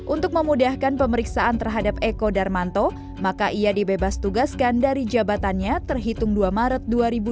untuk memudahkan pemeriksaan terhadap eko darmanto maka ia dibebas tugaskan dari jabatannya terhitung dua maret dua ribu dua puluh